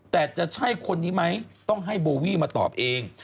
แต่จะใช่คนนี้ไหมต้องให้โบวี่มาตอบเอง